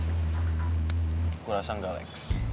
tsk gua rasa enggak lex